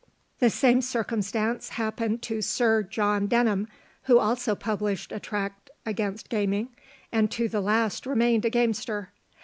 The same circumstance happened to Sir John Denham, who also published a tract against gaming, and to the last remained a gamester.